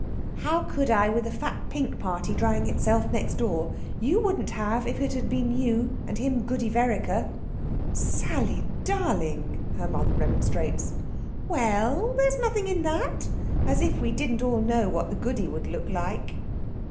"How could I, with a fat, pink party drying himself next door? You wouldn't have, if it had been you, and him Goody Vereker...." "Sal ly! Darling!" Her mother remonstrates. "We ell, there's nothing in that! As if we didn't all know what the Goody would look like...."